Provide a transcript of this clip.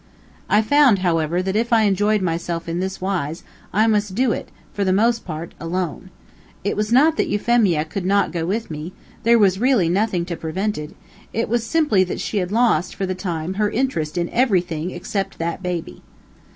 I found, however, that if I enjoyed myself in this wise, I must do it, for the most part, alone. It was not that Euphemia could not go with me there was really nothing to prevent it was simply that she had lost, for the time, her interest in everything except that baby.